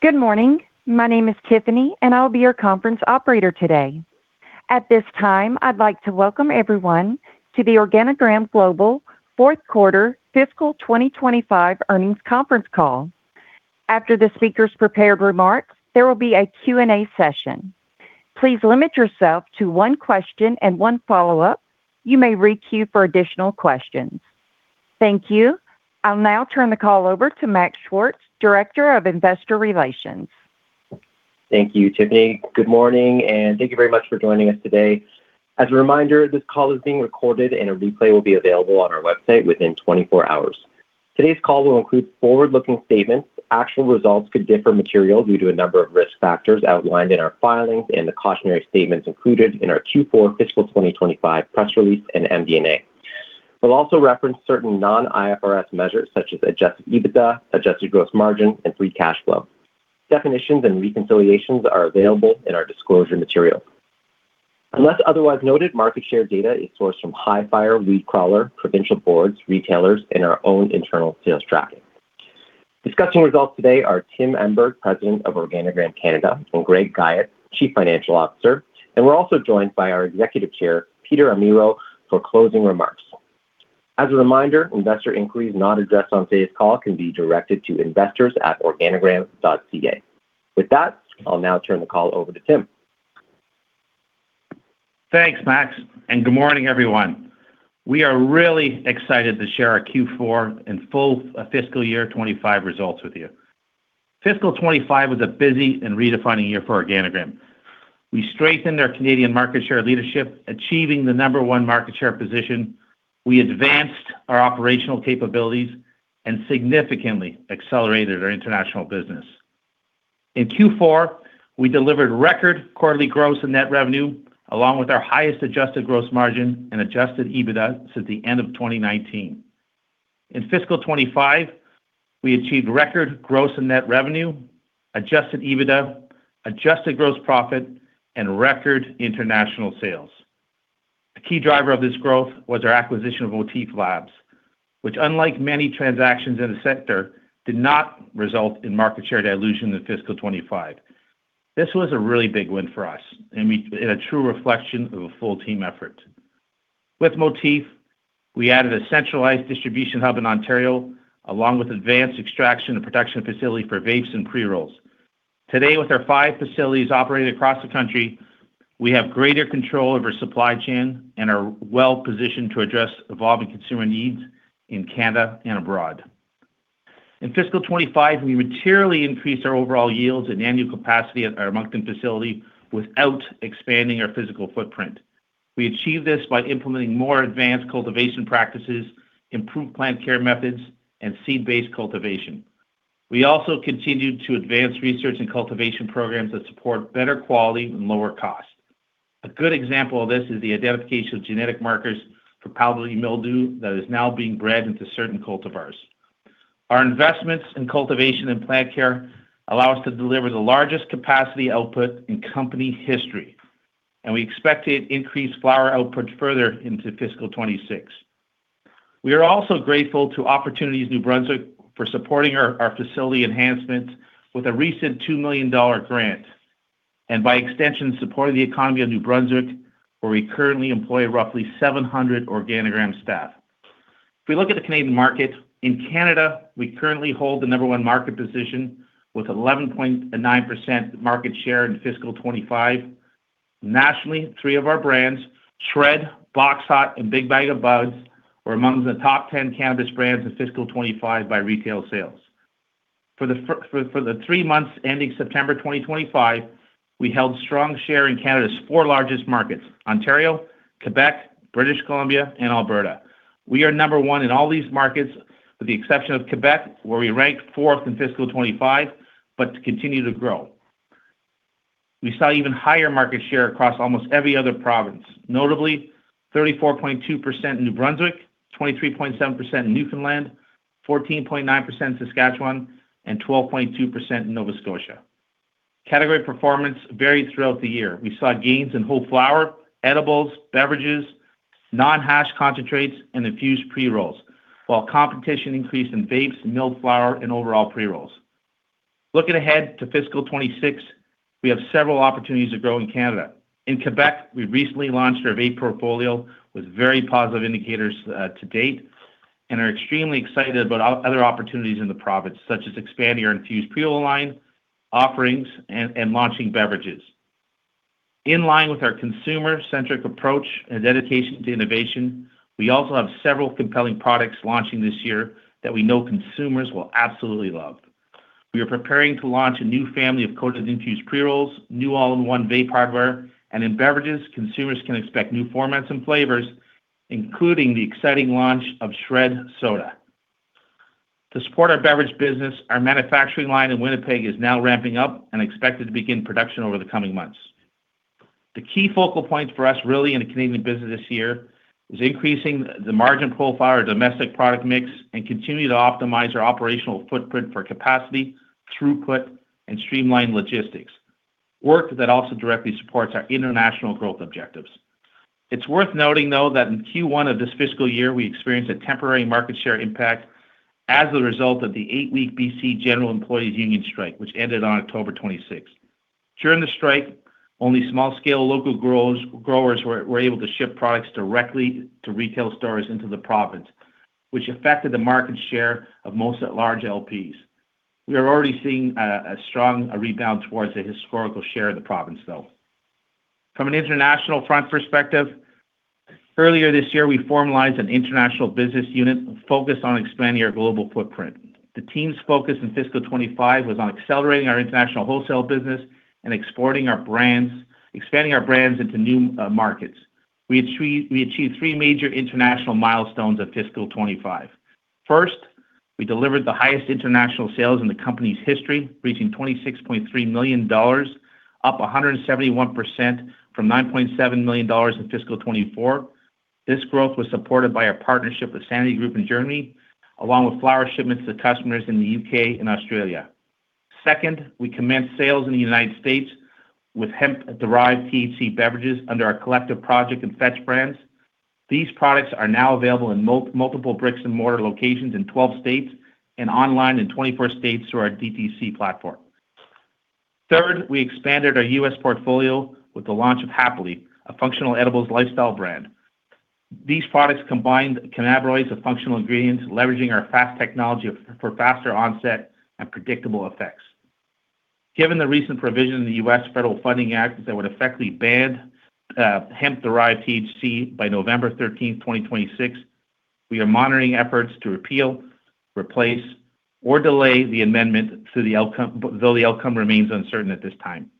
Good morning. My name is Tiffany, and I'll be your conference operator today. At this time, I'd like to welcome everyone to the Organigram Global Fourth Quarter Fiscal 2025 earnings conference call. After the speaker's prepared remarks, there will be a Q&A session. Please limit yourself to one question and one follow-up. You may re-queue for additional questions. Thank you. I'll now turn the call over to Max Schwartz, Director of Investor Relations. Thank you, Tiffany. Good morning, and thank you very much for joining us today. As a reminder, this call is being recorded, and a replay will be available on our website within 24 hours. Today's call will include forward-looking statements. Actual results could differ materially due to a number of risk factors outlined in our filings and the cautionary statements included in our Q4 Fiscal 2025 press release and MD&A. We'll also reference certain non-IFRS measures such as adjusted EBITDA, adjusted gross margin, and free cash flow. Definitions and reconciliations are available in our disclosure material. Unless otherwise noted, market share data is sourced from Hifyre WeedCrawler, provincial boards, retailers, and our own internal sales tracking. Discussing results today are Tim Emberg, President of Organigram Canada, and Greg Guyatt, Chief Financial Officer, and we're also joined by our Executive Chair, Peter Amirault, for closing remarks. As a reminder, investor inquiries not addressed on today's call can be directed to investors@organigram.ca. With that, I'll now turn the call over to Tim. Thanks, Max, and good morning, everyone. We are really excited to share our Q4 and full fiscal year 2025 results with you. Fiscal 2025 was a busy and redefining year for Organigram. We strengthened our Canadian market share leadership, achieving the number one market share position. We advanced our operational capabilities and significantly accelerated our international business. In Q4, we delivered record quarterly gross and net revenue, along with our highest adjusted gross margin and adjusted EBITDA since the end of 2019. In Fiscal 2025, we achieved record gross and net revenue, adjusted EBITDA, adjusted gross profit, and record international sales. A key driver of this growth was our acquisition of Motif Labs, which, unlike many transactions in the sector, did not result in market share dilution in Fiscal 2025. This was a really big win for us and a true reflection of a full team effort. With Motif, we added a centralized distribution hub in Ontario, along with advanced extraction and production facilities for vapes and pre-rolls. Today, with our five facilities operating across the country, we have greater control over our supply chain and are well-positioned to address evolving consumer needs in Canada and abroad. In Fiscal 2025, we materially increased our overall yields and annual capacity at our Moncton facility without expanding our physical footprint. We achieved this by implementing more advanced cultivation practices, improved plant care methods, and seed-based cultivation. We also continued to advance research and cultivation programs that support better quality and lower cost. A good example of this is the identification of genetic markers for powdery mildew that is now being bred into certain cultivars. Our investments in cultivation and plant care allow us to deliver the largest capacity output in company history, and we expect to increase flower output further into Fiscal 2026. We are also grateful to Opportunities New Brunswick for supporting our facility enhancements with a recent 2 million dollar grant and, by extension, supporting the economy of New Brunswick, where we currently employ roughly 700 Organigram staff. If we look at the Canadian market, in Canada, we currently hold the number one market position with 11.9% market share in fiscal 2025. Nationally, three of our brands, SHRED, BOXHOT, and Big Bag O' Buds, were among the top 10 cannabis brands in Fiscal 2025 by retail sales. For the three months ending September 2025, we held strong share in Canada's four largest markets: Ontario, Quebec, British Columbia, and Alberta. We are number one in all these markets, with the exception of Quebec, where we ranked fourth in Fiscal 2025, but continue to grow. We saw even higher market share across almost every other province, notably 34.2% in New Brunswick, 23.7% in Newfoundland, 14.9% in Saskatchewan, and 12.2% in Nova Scotia. Category performance varied throughout the year. We saw gains in whole flower, edibles, beverages, non-hash concentrates, and infused pre-rolls, while competition increased in vapes, milled flower, and overall pre-rolls. Looking ahead to Fiscal 2026, we have several opportunities to grow in Canada. In Quebec, we recently launched our vape portfolio with very positive indicators to date and are extremely excited about other opportunities in the province, such as expanding our infused pre-roll line, offerings, and launching beverages. In line with our consumer-centric approach and dedication to innovation, we also have several compelling products launching this year that we know consumers will absolutely love. We are preparing to launch a new family of coated infused pre-rolls, new all-in-one vape hardware, and in beverages, consumers can expect new formats and flavors, including the exciting launch of SHRED soda. To support our beverage business, our manufacturing line in Winnipeg is now ramping up and expected to begin production over the coming months. The key focal point for us, really, in the Canadian business this year is increasing the margin profile of our domestic product mix and continuing to optimize our operational footprint for capacity, throughput, and streamlined logistics, work that also directly supports our international growth objectives. It's worth noting, though, that in Q1 of this fiscal year, we experienced a temporary market share impact as a result of the eight-week BC General Employees' Union strike, which ended on October 26. During the strike, only small-scale local growers were able to ship products directly to retail stores into the province, which affected the market share of most large LPs. We are already seeing a strong rebound towards a historical share of the province, though. From an international front perspective, earlier this year, we formalized an international business unit focused on expanding our global footprint. The team's focus in Fiscal 2025 was on accelerating our international wholesale business and expanding our brands into new markets. We achieved three major international milestones in Fiscal 2025. First, we delivered the highest international sales in the company's history, reaching 26.3 million dollars, up 171% from 9.7 million dollars in Fiscal 2024. This growth was supported by our partnership with Sanity Group in Germany, along with flower shipments to customers in the U.K. and Australia. Second, we commenced sales in the United States with hemp-derived THC beverages under our The Collective Project in Fetch brand. These products are now available in multiple brick-and-mortar locations in 12 states and online in 24 states through our DTC platform. Third, we expanded our U.S. portfolio with the launch of happly, a functional edibles lifestyle brand. These products combine cannabinoids with functional ingredients, leveraging our FAST technology for faster onset and predictable effects. Given the recent provision in the U.S. Federal Funding Act that would effectively ban hemp-derived THC by November 13, 2026, we are monitoring efforts to repeal, replace, or delay the amendment, though the outcome remains uncertain at this time.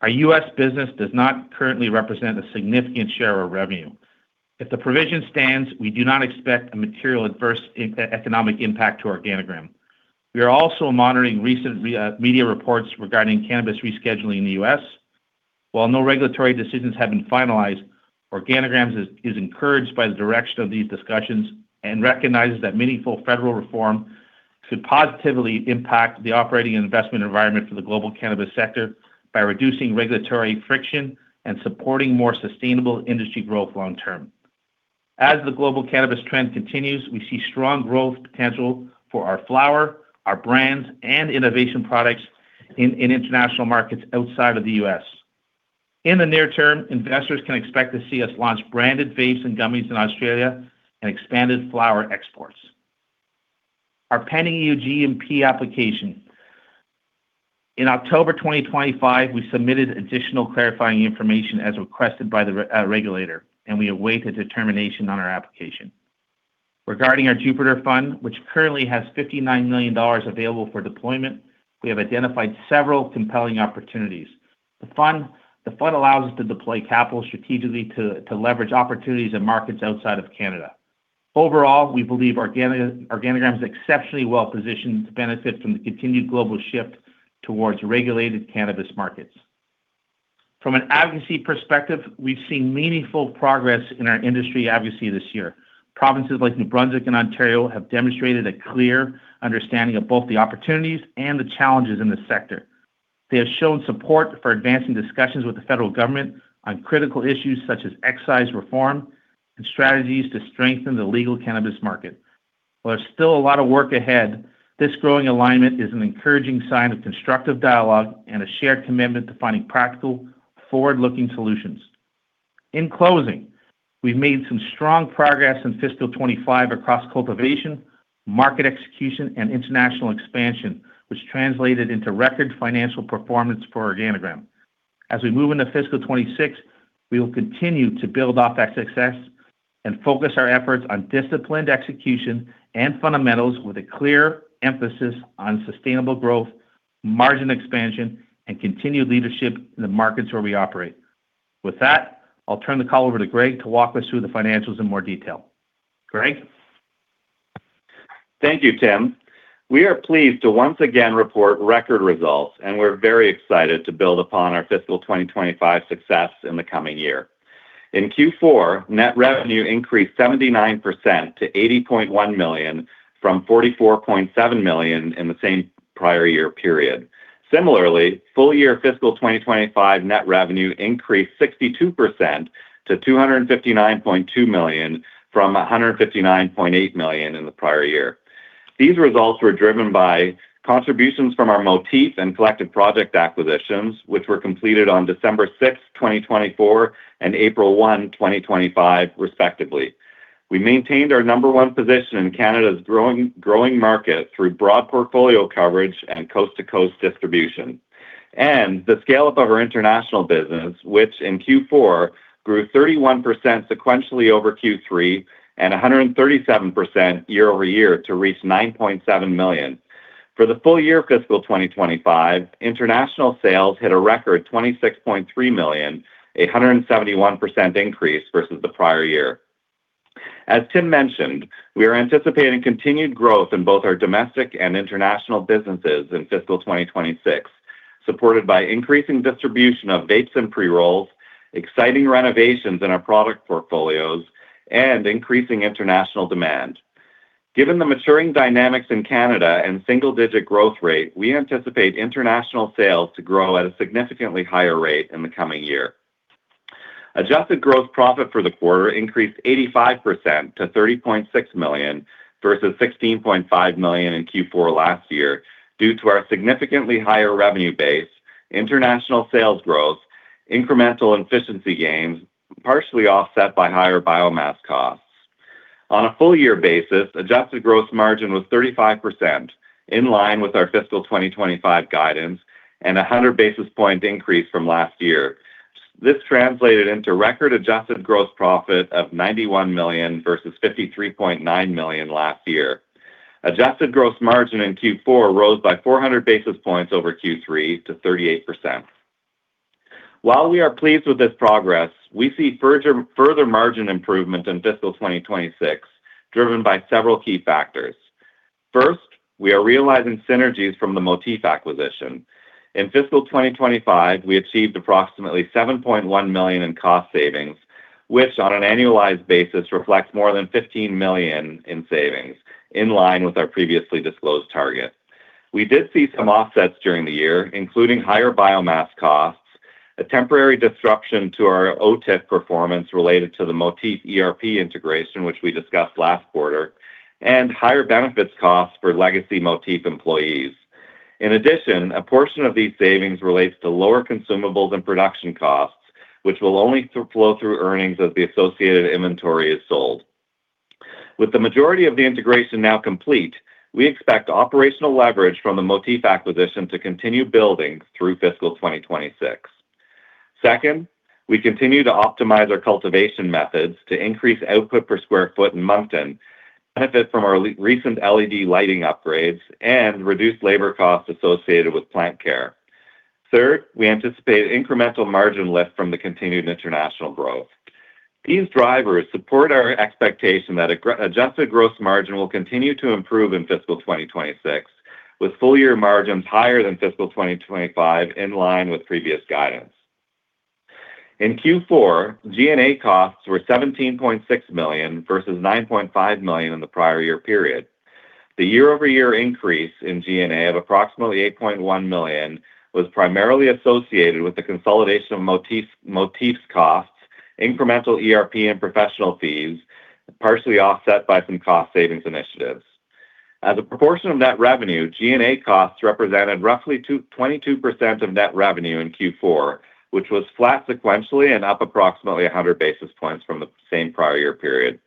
Our U.S. business does not currently represent a significant share of our revenue. If the provision stands, we do not expect a material adverse economic impact to Organigram. We are also monitoring recent media reports regarding cannabis rescheduling in the U.S. While no regulatory decisions have been finalized, Organigram is encouraged by the direction of these discussions and recognizes that meaningful federal reform could positively impact the operating and investment environment for the global cannabis sector by reducing regulatory friction and supporting more sustainable industry growth long-term. As the global cannabis trend continues, we see strong growth potential for our flower, our brands, and innovation products in international markets outside of the U.S. In the near term, investors can expect to see us launch branded vapes and gummies in Australia and expanded flower exports. Our pending EU-GMP application. In October 2025, we submitted additional clarifying information as requested by the regulator, and we await a determination on our application. Regarding our Jupiter Fund, which currently has 59 million dollars available for deployment, we have identified several compelling opportunities. The fund allows us to deploy capital strategically to leverage opportunities in markets outside of Canada. Overall, we believe Organigram is exceptionally well-positioned to benefit from the continued global shift towards regulated cannabis markets. From an advocacy perspective, we've seen meaningful progress in our industry advocacy this year. Provinces like New Brunswick and Ontario have demonstrated a clear understanding of both the opportunities and the challenges in the sector. They have shown support for advancing discussions with the federal government on critical issues such as excise reform and strategies to strengthen the legal cannabis market. While there's still a lot of work ahead, this growing alignment is an encouraging sign of constructive dialogue and a shared commitment to finding practical, forward-looking solutions. In closing, we've made some strong progress in Fiscal 2025 across cultivation, market execution, and international expansion, which translated into record financial performance for Organigram. As we move into Fiscal 2026, we will continue to build off that success and focus our efforts on disciplined execution and fundamentals with a clear emphasis on sustainable growth, margin expansion, and continued leadership in the markets where we operate. With that, I'll turn the call over to Greg to walk us through the financials in more detail. Greg? Thank you, Tim. We are pleased to once again report record results, and we're very excited to build upon our Fiscal 2025 success in the coming year. In Q4, net revenue increased 79% to 80.1 million from 44.7 million in the same prior year period. Similarly, full-year fiscal 2025 net revenue increased 62% to 259.2 million from 159.8 million in the prior year. These results were driven by contributions from our Motif and Collective Project acquisitions, which were completed on December 6, 2024, and April 1, 2025, respectively. We maintained our number one position in Canada's growing market through broad portfolio coverage and coast-to-coast distribution. And the scale-up of our international business, which in Q4 grew 31% sequentially over Q3 and 137% year-over-year to reach 9.7 million. For the full-year Fiscal 2025, international sales hit a record 26.3 million, a 171% increase versus the prior year. As Tim mentioned, we are anticipating continued growth in both our domestic and international businesses in Fiscal 2026, supported by increasing distribution of vapes and pre-rolls, exciting renovations in our product portfolios, and increasing international demand. Given the maturing dynamics in Canada and single-digit growth rate, we anticipate international sales to grow at a significantly higher rate in the coming year. Adjusted gross profit for the quarter increased 85% to 30.6 million versus 16.5 million in Q4 last year due to our significantly higher revenue base, international sales growth, incremental efficiency gains, partially offset by higher biomass costs. On a full-year basis, adjusted gross margin was 35%, in line with our Fiscal 2025 guidance and a 100 basis point increase from last year. This translated into record adjusted gross profit of 91 million versus 53.9 million last year. Adjusted gross margin in Q4 rose by 400 basis points over Q3 to 38%. While we are pleased with this progress, we see further margin improvement in Fiscal 2026, driven by several key factors. First, we are realizing synergies from the Motif acquisition. In Fiscal 2025, we achieved approximately 7.1 million in cost savings, which on an annualized basis reflects more than 15 million in savings, in line with our previously disclosed target. We did see some offsets during the year, including higher biomass costs, a temporary disruption to our OTIF performance related to the Motif ERP integration, which we discussed last quarter, and higher benefits costs for legacy Motif employees. In addition, a portion of these savings relates to lower consumables and production costs, which will only flow through earnings as the associated inventory is sold. With the majority of the integration now complete, we expect operational leverage from the Motif acquisition to continue building through Fiscal 2026. Second, we continue to optimize our cultivation methods to increase output per square foot in Moncton, benefit from our recent LED lighting upgrades, and reduce labor costs associated with plant care. Third, we anticipate incremental margin lift from the continued international growth. These drivers support our expectation that adjusted gross margin will continue to improve in Fiscal 2026, with full-year margins higher than Fiscal 2025, in line with previous guidance. In Q4, G&A costs were 17.6 million versus 9.5 million in the prior year period. The year-over-year increase in G&A of approximately 8.1 million was primarily associated with the consolidation of Motif's costs, incremental ERP and professional fees, partially offset by some cost savings initiatives. As a proportion of net revenue, G&A costs represented roughly 22% of net revenue in Q4, which was flat sequentially and up approximately 100 basis points from the same prior year period.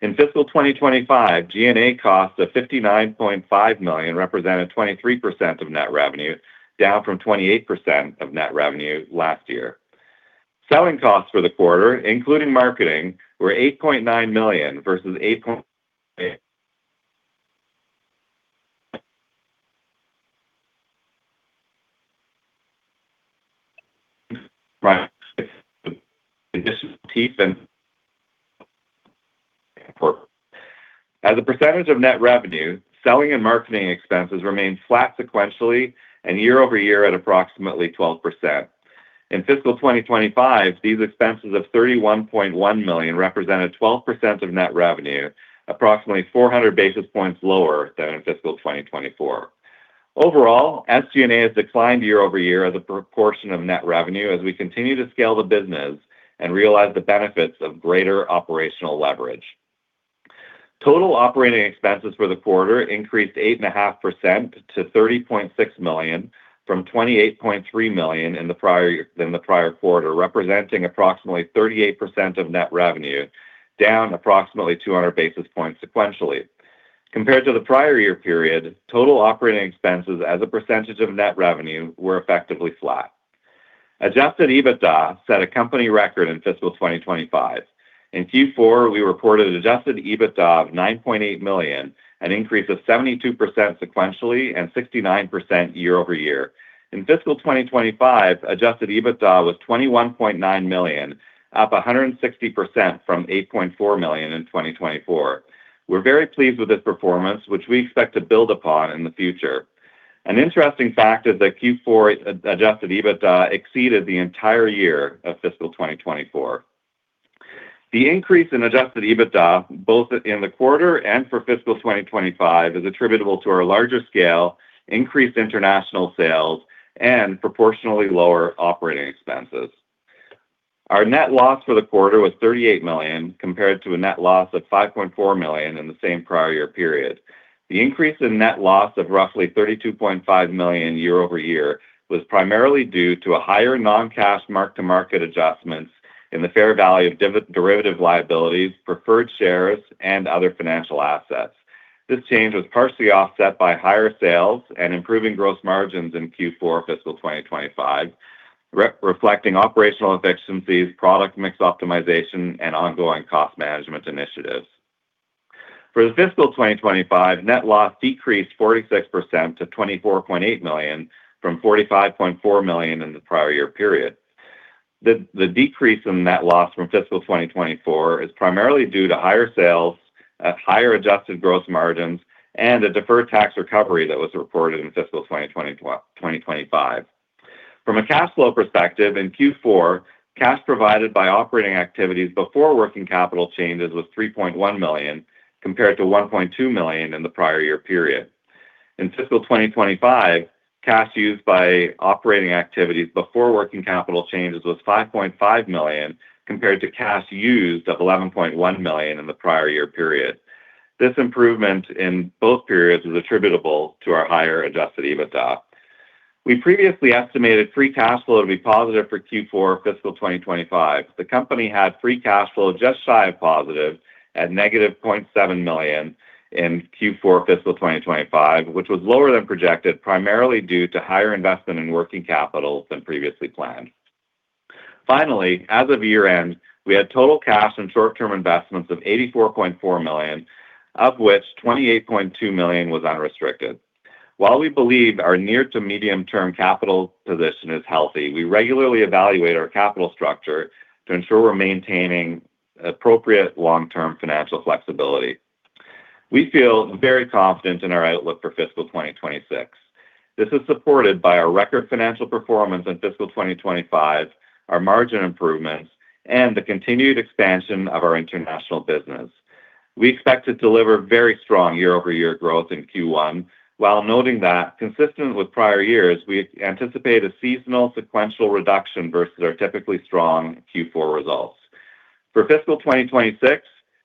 In fiscal 2025, G&A costs of 59.5 million represented 23% of net revenue, down from 28% of net revenue last year. Selling costs for the quarter, including marketing, were 8.9 million versus 8.8 million. As a percentage of net revenue, selling and marketing expenses remained flat sequentially and year-over-year at approximately 12%. In fiscal 2025, these expenses of 31.1 million represented 12% of net revenue, approximately 400 basis points lower than in fiscal 2024. Overall, SG&A has declined year-over-year as a proportion of net revenue as we continue to scale the business and realize the benefits of greater operational leverage. Total operating expenses for the quarter increased 8.5% to 30.6 million from 28.3 million in the prior quarter, representing approximately 38% of net revenue, down approximately 200 basis points sequentially. Compared to the prior year period, total operating expenses as a percentage of net revenue were effectively flat. Adjusted EBITDA set a company record in fiscal 2025. In Q4, we reported adjusted EBITDA of 9.8 million, an increase of 72% sequentially and 69% year-over-year. In Fiscal 2025, adjusted EBITDA was 21.9 million, up 160% from 8.4 million in 2024. We're very pleased with this performance, which we expect to build upon in the future. An interesting fact is that Q4 adjusted EBITDA exceeded the entire year of Fiscal 2024. The increase in adjusted EBITDA, both in the quarter and for Fiscal 2025, is attributable to our larger scale, increased international sales, and proportionally lower operating expenses. Our net loss for the quarter was 38 million, compared to a net loss of 5.4 million in the same prior year period. The increase in net loss of roughly 32.5 million year-over-year was primarily due to higher non-cash mark-to-market adjustments in the fair value of derivative liabilities, preferred shares, and other financial assets. This change was partially offset by higher sales and improving gross margins in Q4 Fiscal 2025, reflecting operational efficiencies, product mix optimization, and ongoing cost management initiatives. For the Fiscal 2025, net loss decreased 46% to 24.8 million from 45.4 million in the prior year period. The decrease in net loss from Fiscal 2024 is primarily due to higher sales, higher adjusted gross margins, and a deferred tax recovery that was reported in Fiscal 2025. From a cash flow perspective, in Q4, cash provided by operating activities before working capital changes was 3.1 million, compared to 1.2 million in the prior year period. In fiscal 2025, cash used by operating activities before working capital changes was 5.5 million, compared to cash used of 11.1 million in the prior year period. This improvement in both periods is attributable to our higher adjusted EBITDA. We previously estimated free cash flow to be positive for Q4 Fiscal 2025. The company had free cash flow just shy of positive at negative 0.7 million in Q4 Fiscal 2025, which was lower than projected, primarily due to higher investment in working capital than previously planned. Finally, as of year-end, we had total cash and short-term investments of 84.4 million, of which 28.2 million was unrestricted. While we believe our near-to-medium-term capital position is healthy, we regularly evaluate our capital structure to ensure we're maintaining appropriate long-term financial flexibility. We feel very confident in our outlook for Fiscal 2026. This is supported by our record financial performance in Fiscal 2025, our margin improvements, and the continued expansion of our international business. We expect to deliver very strong year-over-year growth in Q1, while noting that, consistent with prior years, we anticipate a seasonal sequential reduction versus our typically strong Q4 results. For Fiscal 2026,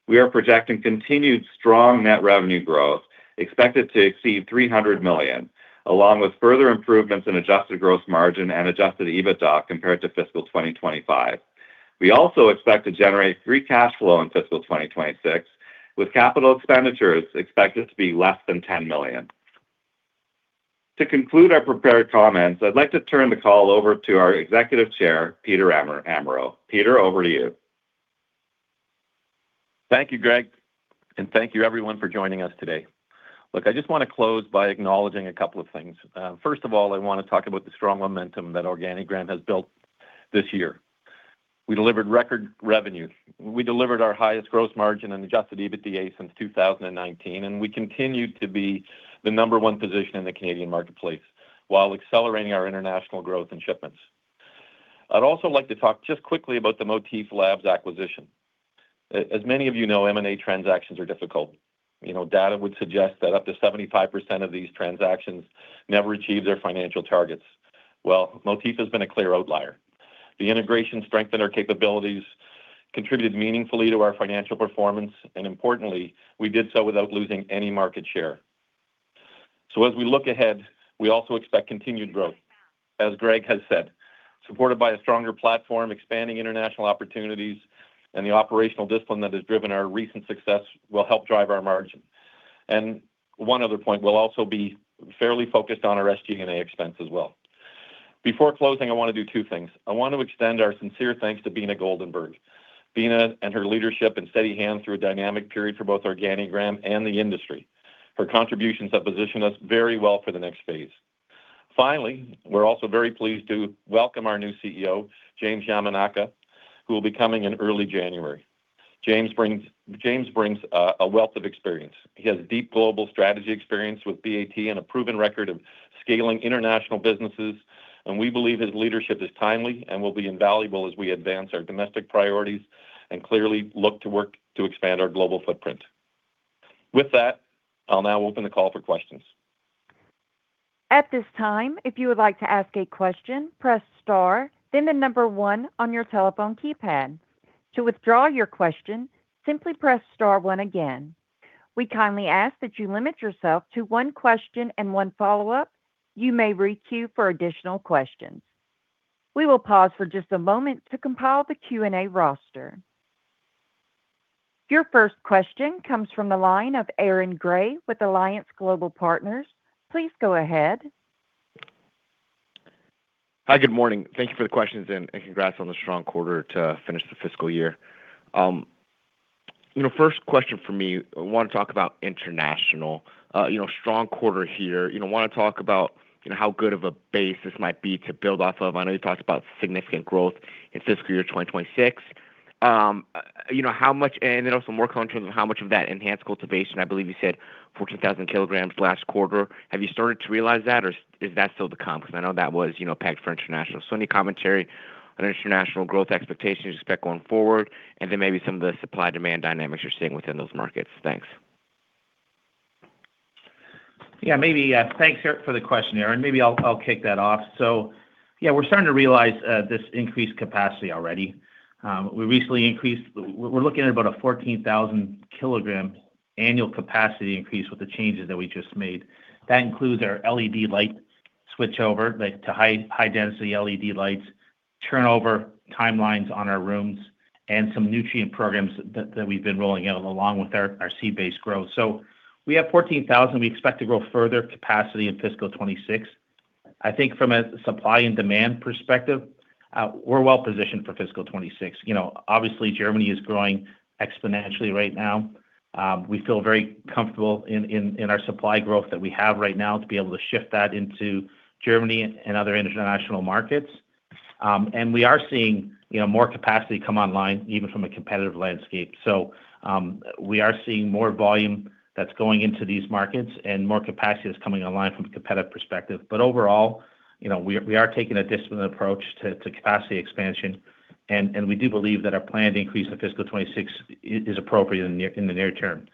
we are projecting continued strong net revenue growth expected to exceed 300 million, along with further improvements in Adjusted gross margin and Adjusted EBITDA compared to Fiscal 2025. We also expect to generate free cash flow in Fiscal 2026, with capital expenditures expected to be less than 10 million. To conclude our prepared comments, I'd like to turn the call over to our Executive Chair, Peter Amirault. Peter, over to you. Thank you, Greg, and thank you, everyone, for joining us today. Look, I just want to close by acknowledging a couple of things. First of all, I want to talk about the strong momentum that Organigram has built this year. We delivered record revenue. We delivered our highest gross margin and adjusted EBITDA since 2019, and we continue to be the number one position in the Canadian marketplace while accelerating our international growth and shipments. I'd also like to talk just quickly about the Motif Labs acquisition. As many of you know, M&A transactions are difficult. Data would suggest that up to 75% of these transactions never achieve their financial targets. Motif has been a clear outlier. The integration strengthened our capabilities, contributed meaningfully to our financial performance, and importantly, we did so without losing any market share. As we look ahead, we also expect continued growth, as Greg has said, supported by a stronger platform, expanding international opportunities, and the operational discipline that has driven our recent success will help drive our margin. One other point, we'll also be fairly focused on our SG&A expense as well. Before closing, I want to do two things. I want to extend our sincere thanks to Beena Goldenberg. Beena, and her leadership and steady hand through a dynamic period for both Organigram and the industry. Her contributions have positioned us very well for the next phase. Finally, we're also very pleased to welcome our new CEO, James Yamanaka, who will be coming in early January. James brings a wealth of experience. He has deep global strategy experience with BAT and a proven record of scaling international businesses, and we believe his leadership is timely and will be invaluable as we advance our domestic priorities and clearly look to work to expand our global footprint. With that, I'll now open the call for questions. At this time, if you would like to ask a question, press star, then the number one on your telephone keypad. To withdraw your question, simply press star one again. We kindly ask that you limit yourself to one question and one follow-up. You may re-queue for additional questions. We will pause for just a moment to compile the Q&A roster. Your first question comes from the line of Aaron Grey with Alliance Global Partners. Please go ahead. Hi, good morning. Thank you for the questions and congrats on the strong quarter to finish the fiscal year. First question for me, I want to talk about international. Strong quarter here. Want to talk about how good of a basis might be to build off of. I know you talked about significant growth in Fiscal year 2026. And then also more concerns of how much of that enhanced cultivation, I believe you said, 14,000 kg last quarter. Have you started to realize that, or is that still to come? Because I know that was pegged for international. So any commentary on international growth expectations you expect going forward, and then maybe some of the supply-demand dynamics you're seeing within those markets? Thanks. Yeah, maybe thanks for the question, Aaron. Maybe I'll kick that off. So, yeah, we're starting to realize this increased capacity already. We recently increased. We're looking at about a 14,000 kg annual capacity increase with the changes that we just made. That includes our LED light switchover to high-density LED lights, turnover timelines on our rooms, and some nutrient programs that we've been rolling out along with our seed-based growth. So we have 14,000. We expect to grow further capacity in Fiscal 26. I think from a supply and demand perspective, we're well positioned for Fiscal 26. Obviously, Germany is growing exponentially right now. We feel very comfortable in our supply growth that we have right now to be able to shift that into Germany and other international markets. And we are seeing more capacity come online, even from a competitive landscape. So we are seeing more volume that's going into these markets and more capacity that's coming online from a competitive perspective. But overall, we are taking a disciplined approach to capacity expansion, and we do believe that our plan to increase in Fiscal 2026 is appropriate in the near term.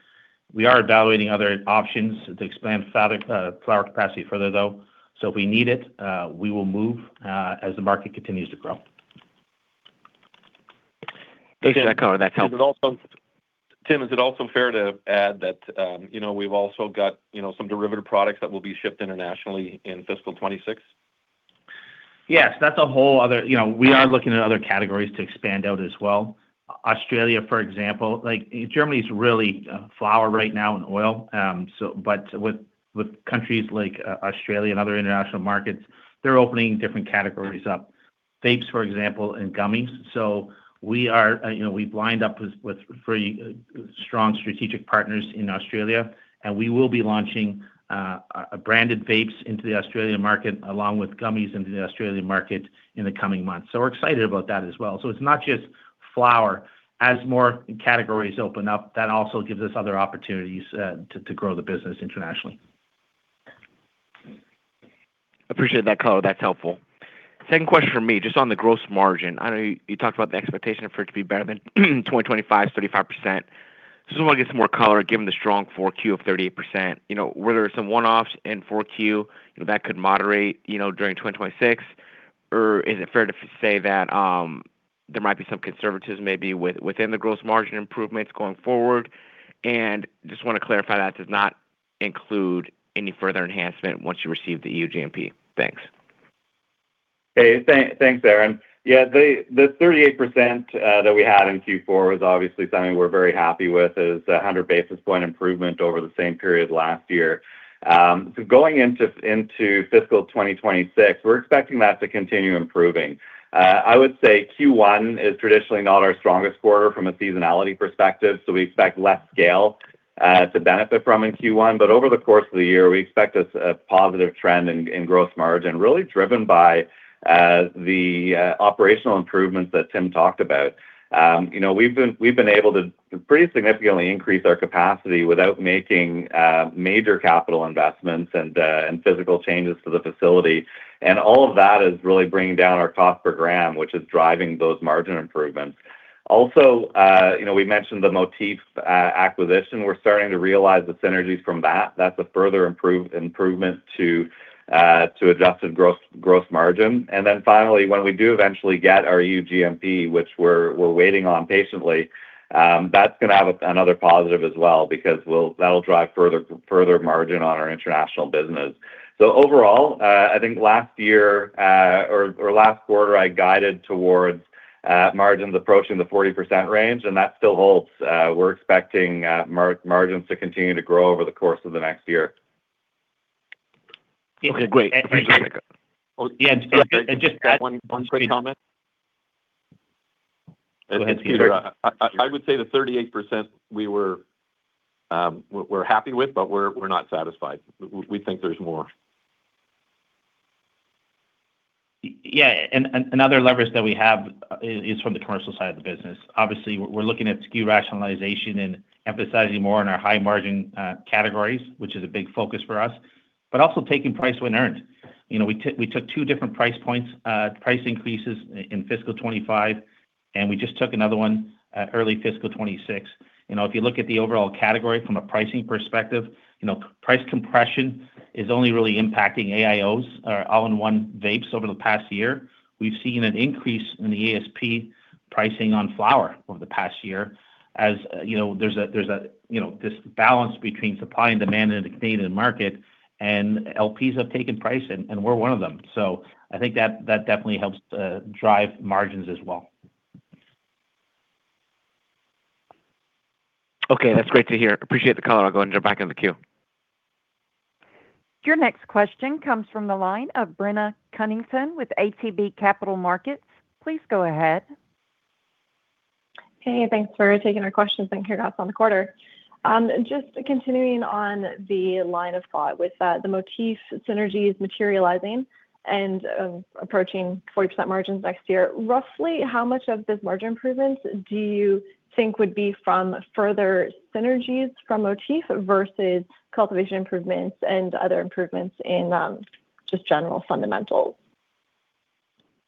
We are evaluating other options to expand flower capacity further, though. So if we need it, we will move as the market continues to grow. Thanks for that comment. That's helpful. Tim, is it also fair to add that we've also got some derivative products that will be shipped internationally in Fiscal 2026? Yes, that's a whole other. We are looking at other categories to expand out as well. Australia, for example. Germany's really flower right now in oil. But with countries like Australia and other international markets, they're opening different categories up. Vapes, for example, and gummies. So we've lined up with strong strategic partners in Australia, and we will be launching branded vapes into the Australian market along with gummies into the Australian market in the coming months. So we're excited about that as well. So it's not just flower. As more categories open up, that also gives us other opportunities to grow the business internationally. Appreciate that color. That's helpful. Second question for me, just on the gross margin. I know you talked about the expectation for it to be better than 2025's 35%. So I want to get some more color given the strong 4Q of 38%. Whether it's some one-offs in 4Q that could moderate during 2026, or is it fair to say that there might be some conservatism maybe within the gross margin improvements going forward? And just want to clarify that does not include any further enhancement once you receive the EU-GMP. Thanks. Hey, thanks, Aaron. Yeah, the 38% that we had in Q4 is obviously something we're very happy with. It's a 100 basis point improvement over the same period last year. So going into fiscal 2026, we're expecting that to continue improving. I would say Q1 is traditionally not our strongest quarter from a seasonality perspective, so we expect less scale to benefit from in Q1. But over the course of the year, we expect a positive trend in gross margin, really driven by the operational improvements that Tim talked about. We've been able to pretty significantly increase our capacity without making major capital investments and physical changes to the facility. And all of that is really bringing down our cost per gram, which is driving those margin improvements. Also, we mentioned the Motif acquisition. We're starting to realize the synergies from that. That's a further improvement to adjusted gross margin. And then finally, when we do eventually get our EU-GMP, which we're waiting on patiently, that's going to have another positive as well because that'll drive further margin on our international business. So overall, I think last year or last quarter, I guided towards margins approaching the 40% range, and that still holds. We're expecting margins to continue to grow over the course of the next year. Okay, great. Thank you, Greg. Yeah, and just one quick comment. Go ahead, Peter. I would say the 38% we were happy with, but we're not satisfied. We think there's more. Yeah, and another leverage that we have is from the commercial side of the business. Obviously, we're looking at SKU rationalization and emphasizing more on our high-margin categories, which is a big focus for us, but also taking price when earned. We took two different price points, price increases in Fiscal 2025, and we just took another one early Fiscal 2026. If you look at the overall category from a pricing perspective, price compression is only really impacting AIOs, our all-in-one vapes over the past year. We've seen an increase in the ASP pricing on flower over the past year as there's this balance between supply and demand in the Canadian market, and LPs have taken price, and we're one of them. So I think that definitely helps drive margins as well. Okay, that's great to hear. Appreciate the call. I'll go ahead and jump back into the queue. Your next question comes from the line of Brenna Cunnington with ATB Capital Markets. Please go ahead. Hey, thanks for taking our questions and hearing us on the quarter. Just continuing on the line of thought with the Motif synergies materializing and approaching 40% margins next year, roughly how much of this margin improvement do you think would be from further synergies from Motif versus cultivation improvements and other improvements in just general fundamentals?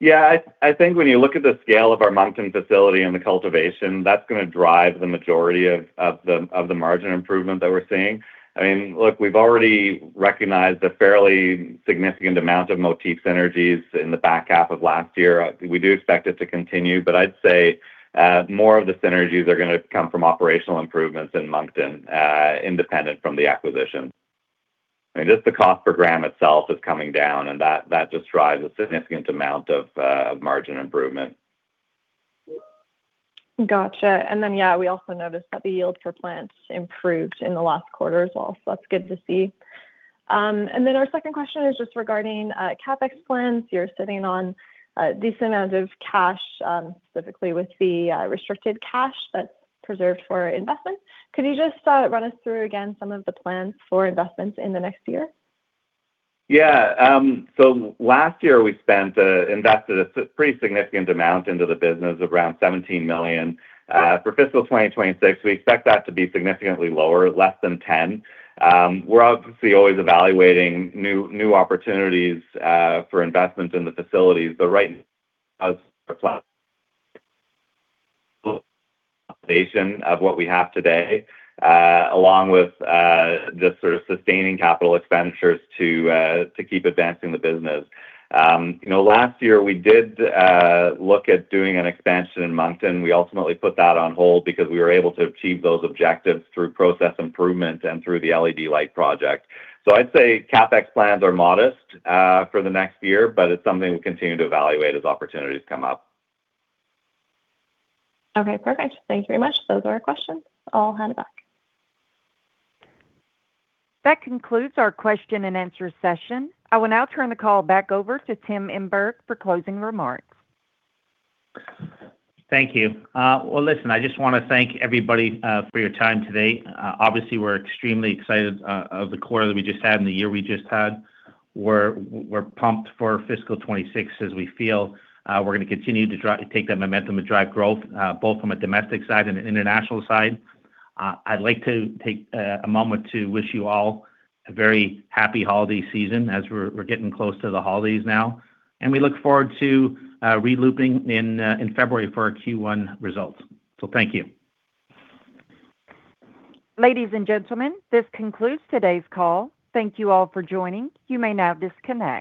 Yeah, I think when you look at the scale of our Moncton facility and the cultivation, that's going to drive the majority of the margin improvement that we're seeing. I mean, look, we've already recognized a fairly significant amount of Motif synergies in the back half of last year. We do expect it to continue, but I'd say more of the synergies are going to come from operational improvements in Moncton independent from the acquisition. I mean, just the cost per gram itself is coming down, and that just drives a significant amount of margin improvement. Gotcha. And then, yeah, we also noticed that the yield for plants improved in the last quarter as well. So that's good to see. And then our second question is just regarding CapEx plans. You're sitting on a decent amount of cash, specifically with the restricted cash that's preserved for investment. Could you just run us through again some of the plans for investments in the next year? Yeah. So last year, we spent a pretty significant amount into the business, around 17 million. For Fiscal 2026, we expect that to be significantly lower, less than 10. We're obviously always evaluating new opportunities for investment in the facilities, but right now, of what we have today, along with just sort of sustaining capital expenditures to keep advancing the business. Last year, we did look at doing an expansion in Moncton. We ultimately put that on hold because we were able to achieve those objectives through process improvement and through the LED light project. So I'd say CapEx plans are modest for the next year, but it's something we'll continue to evaluate as opportunities come up. Okay, perfect. Thank you very much. Those are our questions. I'll hand it back. That concludes our question and answer session. I will now turn the call back over to Tim Emberg for closing remarks. Thank you. Well, listen, I just want to thank everybody for your time today. Obviously, we're extremely excited of the quarter that we just had and the year we just had. We're pumped for Fiscal 2026 as we feel we're going to continue to take that momentum and drive growth both from a domestic side and an international side. I'd like to take a moment to wish you all a very happy holiday season as we're getting close to the holidays now. We look forward to relooping in February for our Q1 results. So thank you. Ladies and gentlemen, this concludes today's call. Thank you all for joining. You may now disconnect.